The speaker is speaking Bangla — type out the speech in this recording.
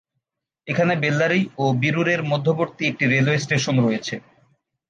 এখানে বেল্লারী ও বিরুর-এর মধ্যবর্তী একটি রেলওয়ে স্টেশন রয়েছে।